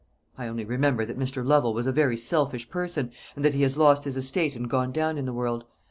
"I only remember that Mr. Lovel was a very selfish person, and that he has lost his estate and gone down in the world.